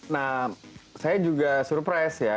nah saya juga surprise ya